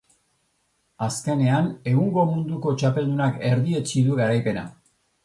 Azkenean, egungo munduko txapeldunak erdietsi du garaipena.